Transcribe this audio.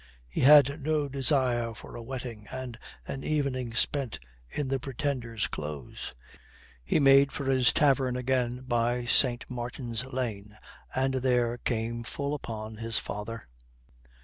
He had no desire for a wetting and an evening spent in the Pretender's clothes. He made for his tavern again by St. Martin's Lane and there came full upon his father.